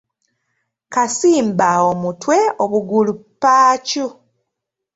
Kasimba omutwe obugulu paacu?